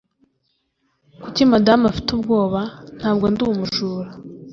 kuki madamu afite ubwoba? ntabwo ndi umujura